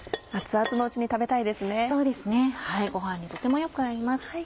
ご飯にとてもよく合います。